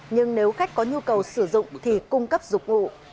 nhưng nếu khách có nhu cầu sử dụng thì cung cấp dụng vụ